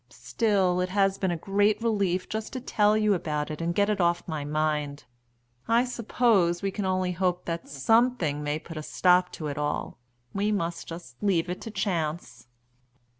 Still, it has been a great relief just to tell you about it and get it off my mind. I suppose we can only hope that something may put a stop to it all we must just leave it to chance."